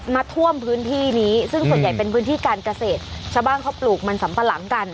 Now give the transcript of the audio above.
น้ำท่วมพื้นที่นี้ซึ่งส่วนใหญ่เป็นพื้นที่การเกษตรชาวบ้านเขาปลูกมันสัมปะหลังกัน